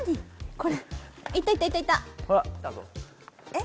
これいったいったいったえっ